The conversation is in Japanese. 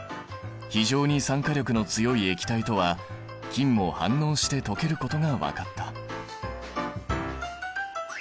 非常に酸化力の強い液体とは金も反応して溶けることが分かった。